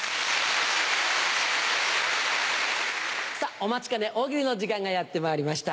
お待ちかね「大喜利」の時間がやってまいりました。